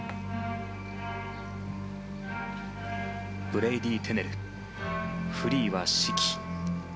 ブレイディー・テネルフリーは「四季」。